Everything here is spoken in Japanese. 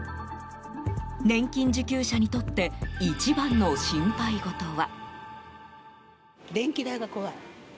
年金受給者にとって一番の心配事は。